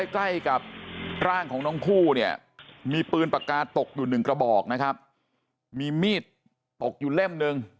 ใกล้กับร่างของน้องคู่เนี่ยมีปืนปากกาตกอยู่หนึ่งกระบอกนะครับมีมีดตกอยู่เล่มหนึ่ง